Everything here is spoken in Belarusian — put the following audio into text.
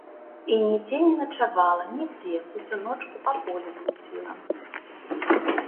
І нідзе не начавала, нідзе, усю ночку па полі блудзіла.